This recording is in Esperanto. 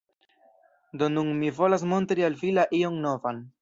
Do nun mi volas montri al vi la ion novan.